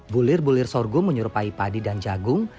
bulir bulir sorghum menyerupai padi dan jagung